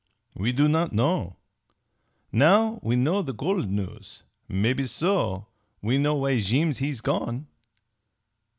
We do not known. Now we know the gold news. Maybe so we know why Jeem he's gone!"